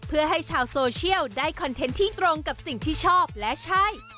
เพื่อให้ชาวโซเชียลได้คอนเทนต์ที่ตรงกับสิ่งที่ชอบและใช่